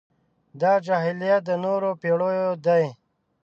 دا جاهلیت د نورو پېړيو دی.